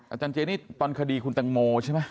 อาจารย์เจนี่ตอนคดีคุณตังโมใช่ไหม